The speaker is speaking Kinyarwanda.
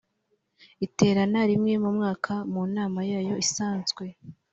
iterana rimwe mu mwaka mu nama yayo isanzwe